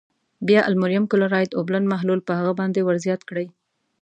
بیا المونیم کلورایډ اوبلن محلول په هغه باندې ور زیات کړئ.